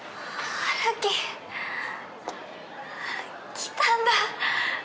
来たんだ。